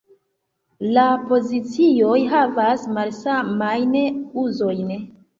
La pozicioj havas malsamajn uzojn.